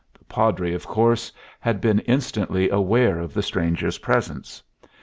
The Padre, of course, had been instantly aware of the stranger's presence.